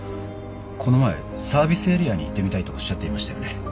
この前サービスエリアに行ってみたいとおっしゃっていましたよね？